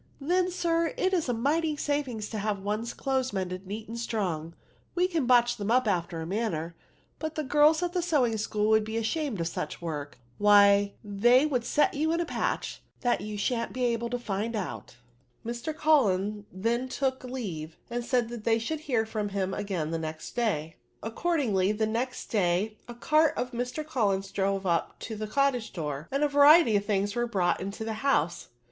Then, sir, it 's a mighty saving to have one 's clothes mended neat and strong : we can botch them up after a manner, but the girls at the sewing school would be ashamed of such work ; why, they will set you in a patch, that you shan't be able to find it out/' Mr. Cullen then took leave, and said they should hear from him again the next day. Accordingly, the next day a cart of Mr. Cullen's drove up to the cottage door, and a variety of things were brought into the house.